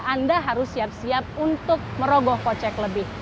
anda harus siap siap untuk merogoh kocek lebih